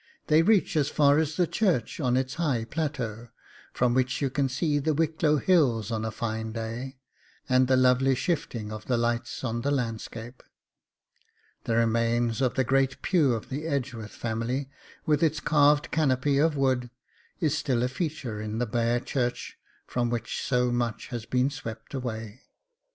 They reach as far as the church on its high plateau, from which you can see the Wicklow Hills on a fine day, and the lovely shifting of the lights of the landscape. The remains of the great pew of the Edgeworth family, with its carved canopy of wood, is still a feature in the bare church from which so much has been swept away.